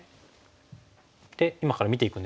で今から見ていくんですけども。